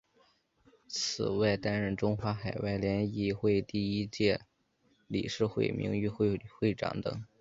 此外担任中华海外联谊会第一届理事会名誉会长等。